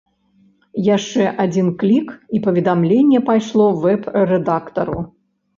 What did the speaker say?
Яшчэ адзін клік, і паведамленне пайшло вэб-рэдактару.